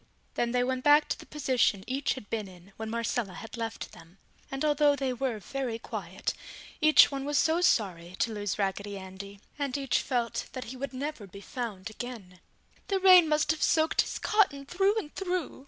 Then they went back to the position each had been in, when Marcella had left them. And although they were very quiet, each one was so sorry to lose Raggedy Andy, and each felt that he would never be found again. [Illustration: Down the spout] "The rain must have soaked his cotton through and through!"